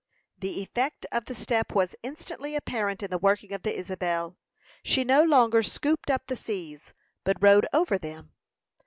The effect of the step was instantly apparent in the working of the Isabel. She no longer scooped up the seas, but rode over them.